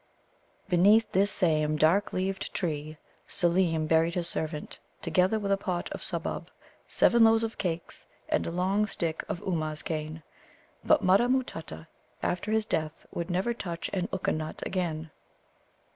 Beneath this same dark leaved tree Seelem buried his servant, together with a pot of subbub, seven loaves or cakes, and a long stick of Ummuz cane. But Mutta matutta after his death would never touch an Ukka nut again.